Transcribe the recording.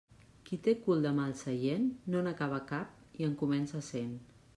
Qui té cul de mal seient, no n'acaba cap i en comença cent.